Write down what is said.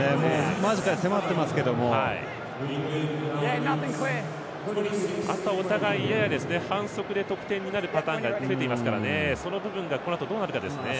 間近に迫っていますけどあとはお互いやや反則で得点になるパターンが増えているのでこのあと、どうなるかですね。